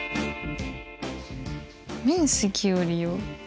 面積を利用∠